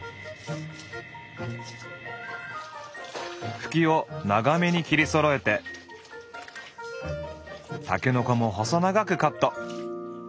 ふきを長めに切りそろえてたけのこも細長くカット。